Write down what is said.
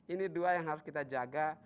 ini dua yang harus kita jaga